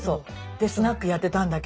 でスナックやってたんだけど。